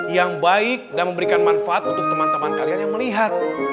yang baik dan memberikan manfaat untuk teman teman kalian yang melihat